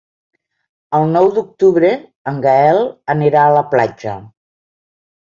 El nou d'octubre en Gaël anirà a la platja.